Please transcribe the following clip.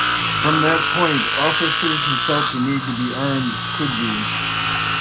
From that point, officers who felt the need to be armed, could be.